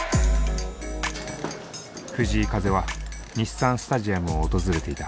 藤井風は日産スタジアムを訪れていた。